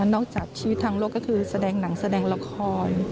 จากชีวิตทางโลกก็คือแสดงหนังแสดงละคร